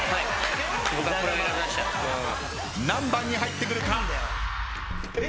何番に入ってくるか。